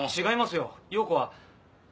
違いますよ洋子は。